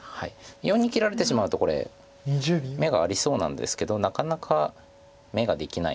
④に切られてしまうとこれ眼がありそうなんですけどなかなか眼ができないので。